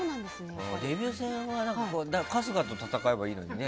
デビュー戦は春日と戦えばいいのにね。